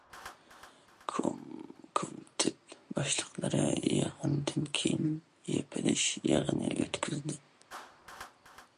كومىتېت باشلىقلىرى يىغىنىدىن كېيىن يېپىلىش يىغىنى ئۆتكۈزۈلدى.